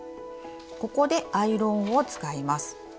ここでアイロンを使います。